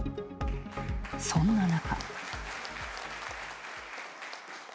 そんな中。